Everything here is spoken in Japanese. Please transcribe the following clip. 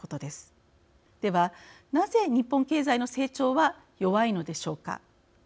ではなぜ日本経済の成長は弱いのでしょうか。